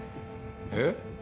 えっ？